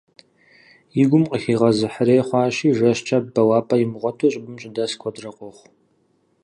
И гум къыхигъэзыхьрей хъуащи, жэщкӀэ бэуапӀэ имыгъуэту щӀыбым щыдэс куэдрэ къохъу.